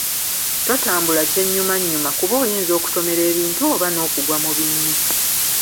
Totambula kyennyumannyuma kuba oyinza okutomera ebintu oba n'okugwa mu binnya.